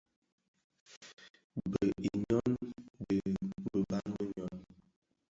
Bëug i nyôn, di biban bi nyôn.